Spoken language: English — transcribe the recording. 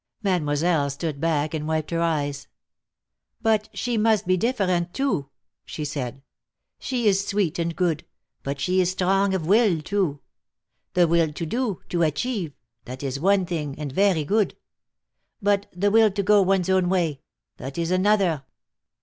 Mademoiselle stood back and wiped her eyes. "But she must be different, too," she said. "She is sweet and good, but she is strong of will, too. The will to do, to achieve, that is one thing, and very good. But the will to go one's own way, that is another."